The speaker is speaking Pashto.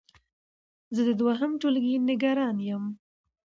زه د دوهم ټولګی نګران يم